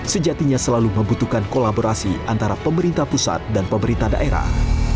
sejatinya selalu membutuhkan kolaborasi antara pemerintah pusat dan pemerintah daerah